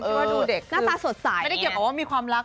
เออหน้าตาสดใสอย่างนี้นะครับดูเด็กไม่ได้เกี่ยวกับว่ามีความรัก